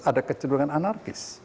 ada keceburangan anarkis